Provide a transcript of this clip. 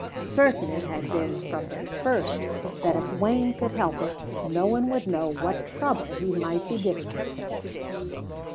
Certain it had been from the first that if Wayne could help it no one would know what trouble he might be giving himself.